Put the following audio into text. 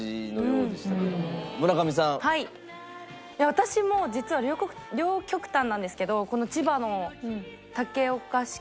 私も実は両極端なんですけど。